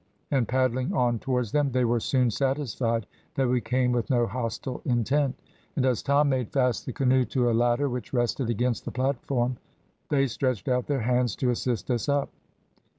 and paddling on towards them, they were soon satisfied that we came with no hostile intent; and as Tom made fast the canoe to a ladder which rested against the platform, they stretched out their hands to assist us up.